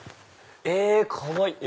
かわいい！